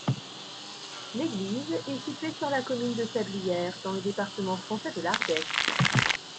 L'église est située sur la commune de Sablières, dans le département français de l'Ardèche.